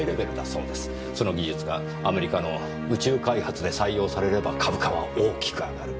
その技術がアメリカの宇宙開発で採用されれば株価は大きく上がる。